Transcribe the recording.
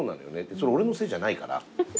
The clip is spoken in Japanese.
それ俺のせいじゃないから。